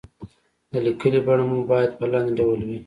د ليکنې بڼه مو بايد په لاندې ډول وي.